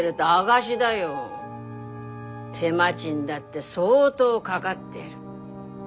手間賃だって相当かがってる。